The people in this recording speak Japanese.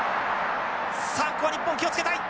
さあここは日本気を付けたい。